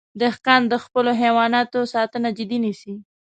دهقان د خپلو حیواناتو ساتنه جدي نیسي.